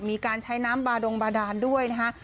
มีการใช้น้ำบาดงบาดานด้วยนะฮะ